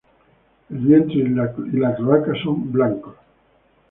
El vientre y la cloaca son blancos.